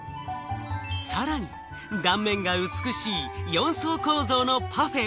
さらに断面が美しい４層構造のパフェ。